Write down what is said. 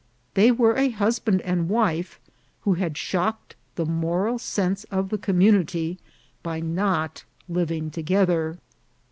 They were a husband and wife, who had shocked the moral sense of the community by not living together.